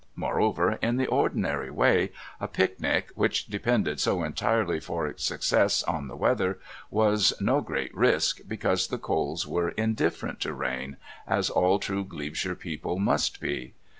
Moreover, in the ordinary way, a picnic, which depended so entirely for its success on the weather, was no great risk, because the Coles were indifferent to rain, as all true Glebeshire people must be.